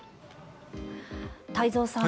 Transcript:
太蔵さん